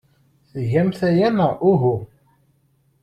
Tgamt aya, neɣ uhu?